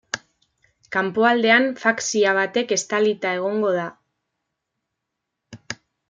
Kanpoaldean faszia batek estalita egongo da.